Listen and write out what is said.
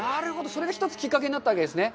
それで１つきっかけになったわけですね。